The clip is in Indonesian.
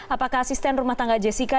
apakah asisten rumah tangga jessica